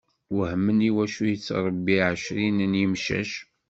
Wehmen iwacu yettṛebbi ɛecrin n yemcac.